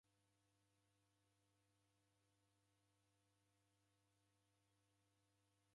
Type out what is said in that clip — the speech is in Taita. Kampeni ra w'ulongozi ghwa isanga razoya juma ichaa.